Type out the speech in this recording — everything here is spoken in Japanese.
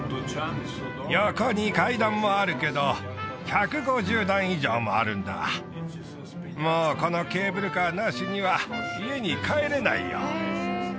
横に階段もあるけど１５０段以上もあるんだもうこのケーブルカーなしには家に帰れないよ